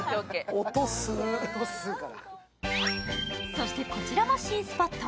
そして、こちらも新スポット。